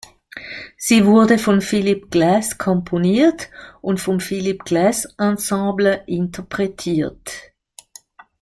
Sie wurde von Philip Glass komponiert und vom "Philip Glass Ensemble" interpretiert.